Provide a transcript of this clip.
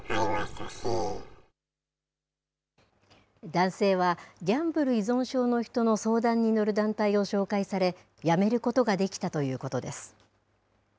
男性は、ギャンブル依存症の人の相談に乗る団体を紹介され、やめることができたということです。